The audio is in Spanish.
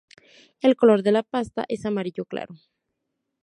El color de la pasta es amarillo claro.